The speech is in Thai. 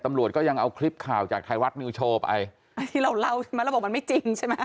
ตำรวจก็ยังเอาคลิปข่าวจากไทยรัฐนิวโชว์ไปที่เราเล่าใช่ไหมเราบอกมันไม่จริงใช่ไหม